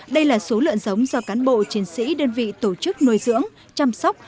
đây là số lợn giống do cán bộ chiến sĩ đơn vị tổ chức nuôi dưỡng chăm sóc